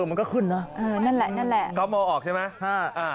มันก็คุ้นนะเออนั่นแหละนั่นแหละก็เอาออกใช่ไหมฮะอ่า